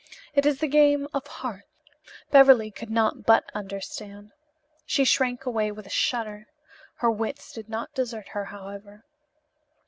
It is the game of hearts." Beverly could not but understand. She shrank away with a shudder. Her wits did not desert her, however.